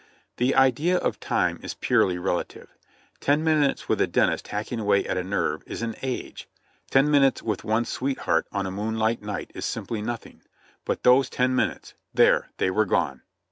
The idea of time is purely relative. Ten minutes with a dentist hacking away at a nerve is an age, ten minutes with one's sweet heart on a moonlight night is simply nothing, but those ten min utes !— There, they were gone